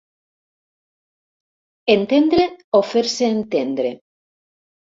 Entendre o fer-se entendre.